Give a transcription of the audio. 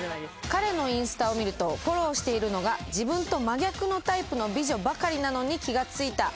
彼のインスタを見るとフォローしているのが自分と真逆のタイプの美女ばかりなのに気が付いた。